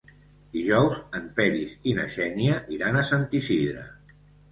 Dijous en Peris i na Xènia iran a Sant Isidre.